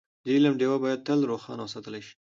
د علم ډېوه باید تل روښانه وساتل شي.